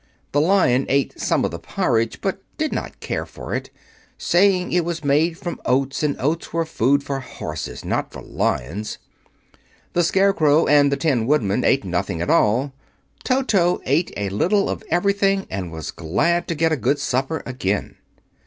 The Lion ate some of the porridge, but did not care for it, saying it was made from oats and oats were food for horses, not for lions. The Scarecrow and the Tin Woodman ate nothing at all. Toto ate a little of everything, and was glad to get a good supper again.